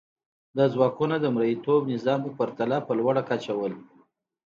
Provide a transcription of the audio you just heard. دا ځواکونه د مرئیتوب نظام په پرتله په لوړه کچه وو.